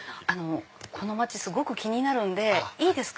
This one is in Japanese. この街すごく気になるんでいいですか？